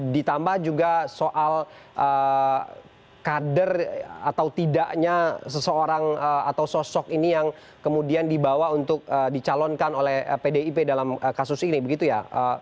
ditambah juga soal kader atau tidaknya seseorang atau sosok ini yang kemudian dibawa untuk dicalonkan oleh pdip dalam kasus ini begitu ya